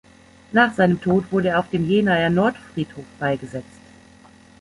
Nach seinem Tod wurde er auf dem Jenaer Nordfriedhof beigesetzt.